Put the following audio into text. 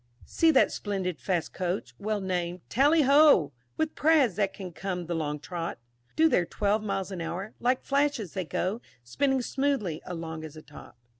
"_ 1. See that splendid fast Coach, well named "TALLY HO," With prads that can come the long trot; Do their twelve miles an hour like flashes they go, Spinning smoothly along as a top.